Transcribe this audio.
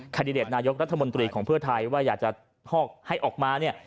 ดิเดตนายกรัฐมนตรีของเพื่อไทยว่าอยากจะให้ออกมาเนี่ย